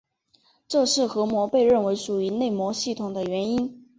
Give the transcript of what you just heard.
这是核膜被认为属于内膜系统的原因。